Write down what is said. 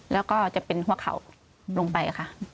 แล้วก็จะเป็นหัวเข่าลงไปค่ะ